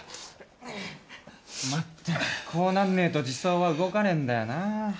まったくこうなんねえと児相は動かねえんだよな。